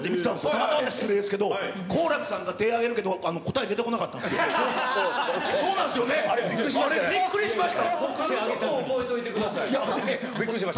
たまたまって失礼ですけど、好楽さんが手挙げるけど、答え出そうそうそう。びっくりしました。